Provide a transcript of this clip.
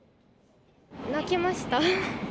泣きました。